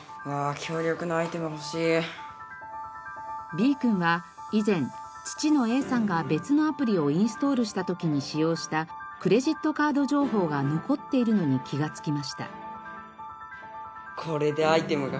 Ｂ君は以前父のＡさんが別のアプリをインストールした時に使用したクレジットカード情報が残っているのに気がつきました。